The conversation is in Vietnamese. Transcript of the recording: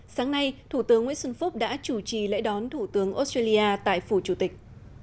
sáng nay thủ tướng nguyễn xuân phúc đã chủ trì lễ đón thủ tướng australia tại phủ chủ tịch